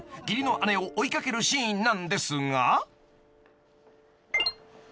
義理の姉を追い掛けるシーンなんですが］